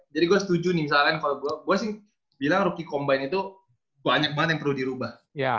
jadi gue setuju nih misalnya kalau gue sih bilang rookie combine itu banyak banget yang perlu dirubah